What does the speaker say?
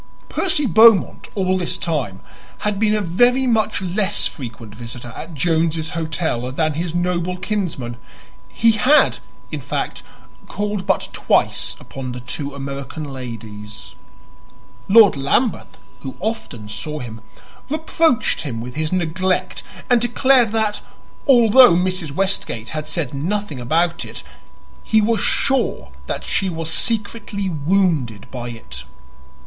Percy Beaumont all this time had been a very much less frequent visitor at Jones's Hotel than his noble kinsman; he had, in fact, called but twice upon the two American ladies. Lord Lambeth, who often saw him, reproached him with his neglect and declared that, although Mrs. Westgate had said nothing about it, he was sure that she was secretly wounded by it.